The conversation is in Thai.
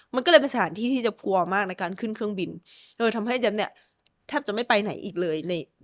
มันก็เลยเป็นสถานที่ที่จะกลัวมากในการขึ้นเครื่องบินโดยทำให้แจ๊บเนี่ยแทบจะไม่ไปไหนอีกเลย